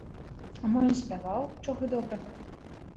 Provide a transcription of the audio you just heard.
А мо ён спяваў, чаго добрага?